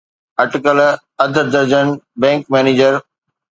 اٽڪل اڌ درجن بئنڪ مئنيجر